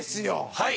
はい。